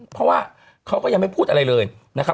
เพราะว่าเขาก็ยังไม่พูดอะไรเลยนะครับ